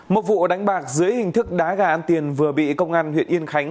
một vụ đánh bạc dưới hình thức đá gà ăn tiền vừa bị công an huyện yên khánh